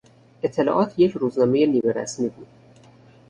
اطلاعات یک روزنامهی نیمه رسمی بود.